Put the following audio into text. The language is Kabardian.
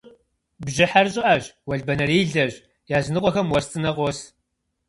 Бжьыхьэр щӏыӏэщ, уэлбанэрилэщ, языныкъуэхэм уэс цӏынэ къос.